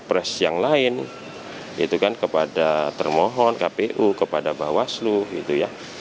pres yang lain itu kan kepada termohon kpu kepada bawaslu gitu ya